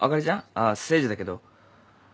あっ誠治だけど。